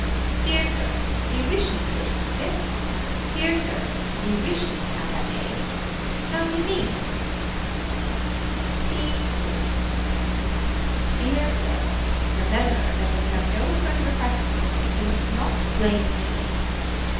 Dear Sir. Do you wish me to go to market. Dear Sir. Do you wish me to have that made. How do you mean. Scene 6. Dear Sir. Remember that when you have no further requests to make you must not blame me.